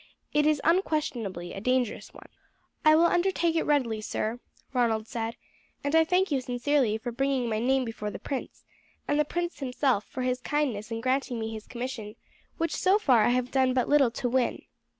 It is unquestionably a dangerous one." "I will undertake it readily, sir," Ronald said, "and I thank you sincerely for bringing my name before the prince, and the prince himself for his kindness in granting me his commission, which so far I have done but little to win.